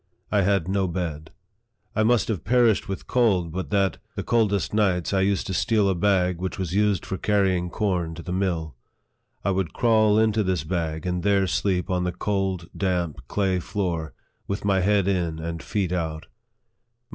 I 'had no bed. I must have perished with cold, but that, the coldest nights, I used to steal a bag which was used for carrying corn to. the mill. I would crawl into this bag, and there sleep on the cold, damp, clay floor, with my head in and feet out.